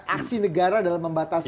aksi negara dalam membatasi